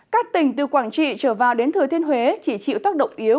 các tỉnh từ quảng trị trở vào đến thừa thiên huế chỉ chịu tác động yếu